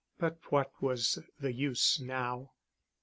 But what was the use now?